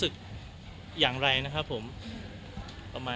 เรียกงานไปเรียบร้อยแล้ว